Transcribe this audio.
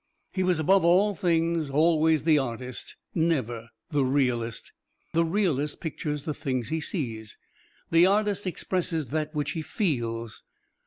He was above all things always the artist, never the realist. The realist pictures the things he sees; the artist expresses that which he feels.